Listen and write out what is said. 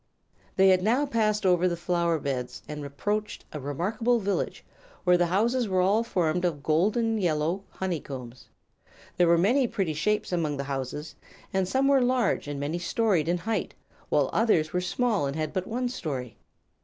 They had now passed over the flower beds and approached a remarkable village, where the houses were all formed of golden yellow honey combs. There were many pretty shapes among these houses, and some were large and many stories in height while others were small and had but one story.